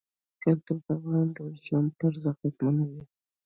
کلتور د افغانانو د ژوند طرز اغېزمنوي.